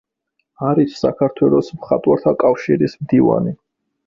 არის საქართველოს მხატვართა კავშირის მდივანი.